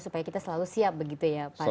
supaya kita selalu siap begitu ya pak